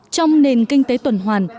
trong nền kinh tế tuần hoàn